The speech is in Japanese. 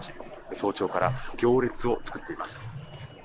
早朝から行列を作っています。